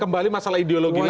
kembali masalah ideologi lagi ya